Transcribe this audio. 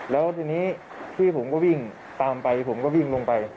แล้วทีนี้พี่ผมก็วิ่งตามไปผมก็วิ่งลงไป